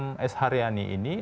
dalam s haryani ini